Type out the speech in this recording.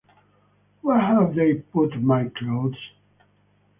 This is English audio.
Where have they put my clothes?